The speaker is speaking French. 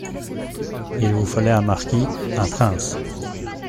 Il vous fallait un marquis, un prince !